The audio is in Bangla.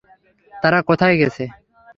তারা কোথায় গেছে?